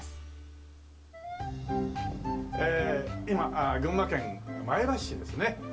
今群馬県前橋市ですね